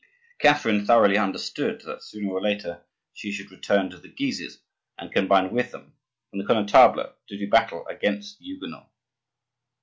Catherine thoroughly understood that sooner or later she should return to the Guises and combine with them and the Connetable to do battle against the Huguenots.